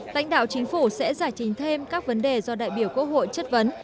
lãnh đạo chính phủ sẽ giải trình thêm các vấn đề do đại biểu quốc hội chất vấn